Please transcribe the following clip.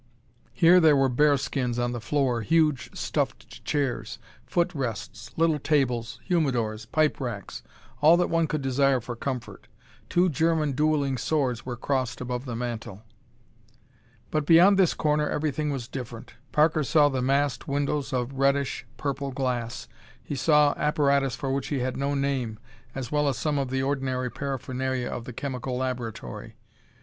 Here there were bearskins on the floor, huge stuffed chairs, footrests, little tables, humidors, pipe racks, all that one could desire for comfort. Two German duelling swords were crossed above the mantel. But beyond this corner everything was different. Parker saw the massed windows of reddish purple glass; he saw apparatus for which he had no name, as well as some of the ordinary paraphernalia of the chemical laboratory.